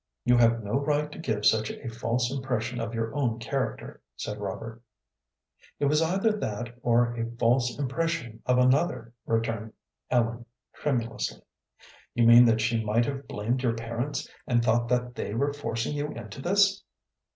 "You have no right to give such a false impression of your own character," said Robert. "It was either that or a false impression of another," returned Ellen, tremulously. "You mean that she might have blamed your parents, and thought that they were forcing you into this?"